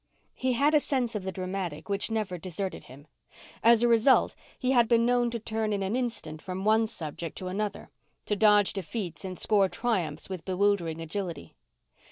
He had a sense of the dramatic which never deserted him. As a result, he had been known to turn in an instant from one subject to another to dodge defeats and score triumphs with bewildering agility.